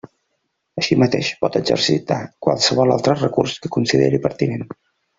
Així mateix pot exercitar qualsevol altre recurs que consideri pertinent.